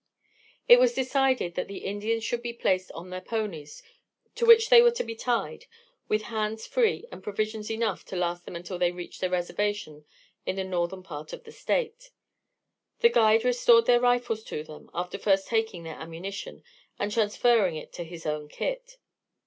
It was decided that the Indians should be placed on their ponies, to which they were to be tied, with hands free and provisions enough to last them until they reached their reservation in the northern part of the state. The guide restored their rifles to them after first taking their ammunition and transferring it to his own kit.